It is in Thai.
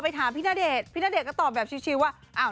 ถามพี่ณเดชน์พี่ณเดชนก็ตอบแบบชิลว่า